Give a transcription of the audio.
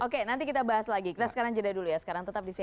oke nanti kita bahas lagi kita sekarang jeda dulu ya sekarang tetap di sini